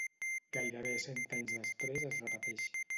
Gairebé cent anys després es repeteix.